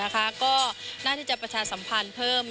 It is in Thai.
ก็น่าที่จะประชาสัมพันธ์เพิ่ม